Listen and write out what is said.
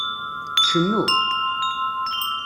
Tcennu?